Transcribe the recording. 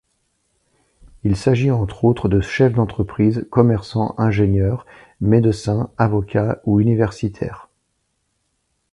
Il s’agit entre autres de chefs d’entreprises, commerçants, ingénieurs, médecins, avocats ou universitaires.